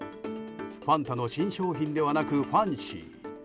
ファンタの新商品ではなくファンシー。